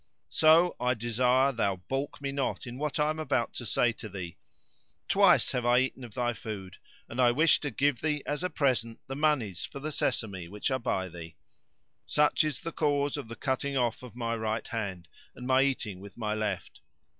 So I desire thou baulk me not in what I am about to say to thee: twice have I eaten of thy food and I wish to give thee as a present the monies for the sesame which are by thee. Such is the cause of the cutting off my right hand and my eating with my left."